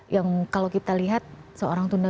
yang kalau kita lihat seorang tunda